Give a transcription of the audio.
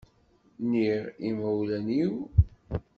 NniƔ i imawlan-iw.